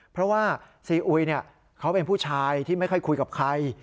เพราะว่าซีอุยเขาเป็นผู้ชายที่ไม่ค่อยคุยกับใคร